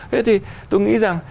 thế thì tôi nghĩ rằng